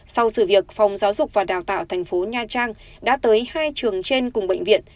sau sự việc phòng giáo dục và đào tạo thành phố nha trang đã tới hai trường trên cùng bệnh viện